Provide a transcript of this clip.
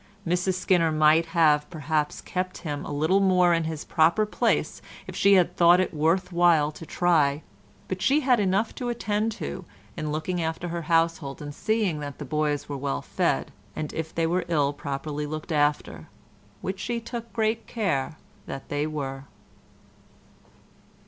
Mrs Skinner might have perhaps kept him a little more in his proper place if she had thought it worth while to try, but she had enough to attend to in looking after her household and seeing that the boys were well fed and, if they were ill, properly looked after—which she took good care they were.